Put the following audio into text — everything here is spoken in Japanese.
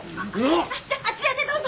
じゃあちらでどうぞ！